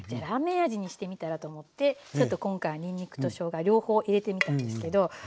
ラーメン味にしてみたらと思ってちょっと今回にんにくとしょうが両方入れてみたんですけど。